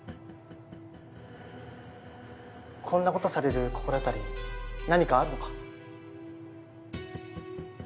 こんなことされる心当たり何かあるのか？